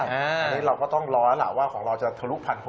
อันนี้เราก็ต้องรอแล้วล่ะว่าของเราจะทะลุ๑๖๐๐ได้หรือเปล่า